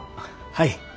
はい。